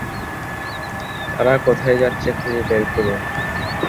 তারা কোথায় যাচ্ছে খুঁজে বের করুন।